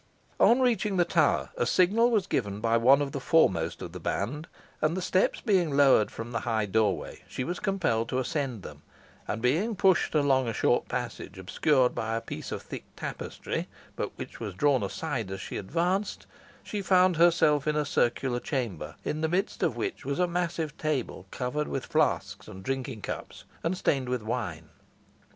On reaching the tower, a signal was given by one of the foremost of the band, and the steps being lowered from the high doorway, she was compelled to ascend them, and being pushed along a short passage, obscured by a piece of thick tapestry, but which was drawn aside as she advanced, she found herself in a circular chamber, in the midst of which was a massive table covered with flasks and drinking cups, and stained with wine.